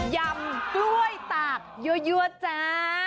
ยำกล้วยตากยั่วจ้า